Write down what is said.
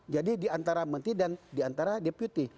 jadi di antara menteri dan di antara deputi